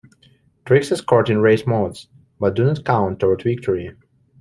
Tricks are scored in race modes, but do not count toward victory.